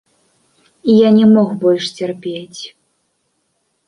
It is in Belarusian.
Я не мог больш цярпець.